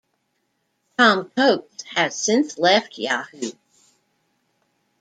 Tom Coates has since left Yahoo.